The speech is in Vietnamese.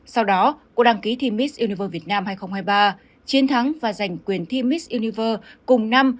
sau đó cô đăng ký thi miss universe việt nam hai nghìn hai mươi ba chiến thắng và giành quyền thi miss universe cùng năm